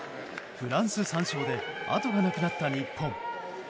フランス３勝であとがなくなった日本。